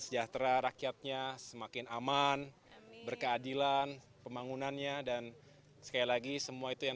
sejahtera rakyatnya semakin aman berkeadilan pembangunannya dan sekali lagi semua itu yang